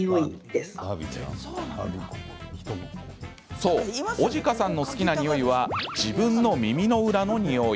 そう、男鹿さんの好きな匂いは自分の耳の裏の匂い。